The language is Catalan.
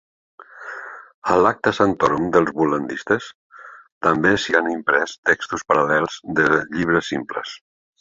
A l'"Acta Sanctorum" dels Bol·landistes també s'hi han imprès textos paral·lels de llibres simples.